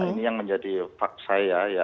ini yang menjadi fakta saya ya